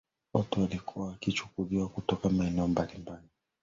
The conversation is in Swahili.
Watu walikuwa wakichukuliwa kutoka maeneo mbali mbali